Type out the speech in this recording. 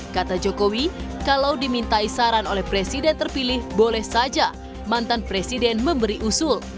kata jokowi kalau dimintai saran oleh presiden terpilih boleh saja mantan presiden memberi usul